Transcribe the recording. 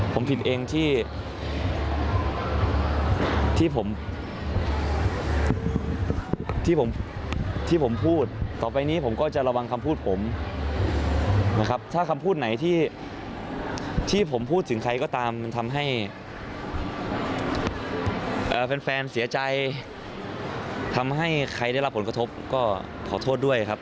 ผมผิดเองที่ผมที่ผมพูดต่อไปนี้ผมก็จะระวังคำพูดผมนะครับถ้าคำพูดไหนที่ผมพูดถึงใครก็ตามมันทำให้แฟนเสียใจทำให้ใครได้รับผลกระทบก็ขอโทษด้วยครับ